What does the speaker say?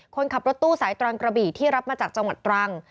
คนขับรถตู้สายตรังกระบี่ที่รับมาจากจังหวัดตรัง